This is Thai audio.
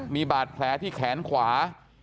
มีบาดแผลที่แขนขวา